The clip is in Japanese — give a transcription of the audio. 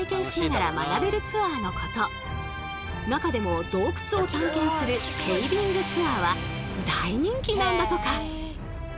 中でも洞窟を探検するケイビングツアーは大人気なんだとか。